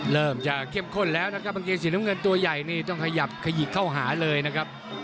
เริ่มจะเข้มข้นแล้วนะครับกางเกงสีน้ำเงินตัวใหญ่นี่ต้องขยับขยิกเข้าหาเลยนะครับ